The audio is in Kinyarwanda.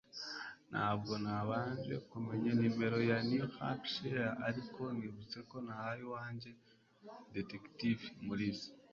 Ntabwo nabanje kumenya nimero ya New Hampshire ariko nibutse ko nahaye uwanjye Detective Mulisa.